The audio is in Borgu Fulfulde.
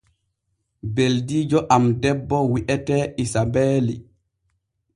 Ɓeldiijo am debbo wi’etee Isabeeli.